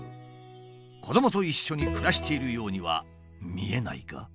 子どもと一緒に暮らしているようには見えないが。